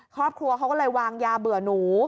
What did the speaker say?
ครอบครัวเขาก็เลยวางยาเบื่อหนู